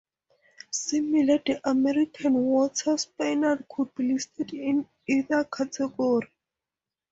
Similarly, the American Water Spaniel could be listed in either category.